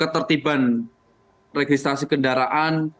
ketertiban registrasi kendaraan